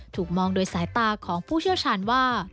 ถูกมองโดยสายตาของผู้เชี่ยวชาญว่า